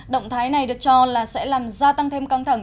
động thái này được cho là sẽ làm gia tăng thêm căng thẳng